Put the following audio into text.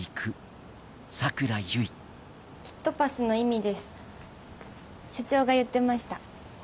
キットパスの意味です社長が言ってました。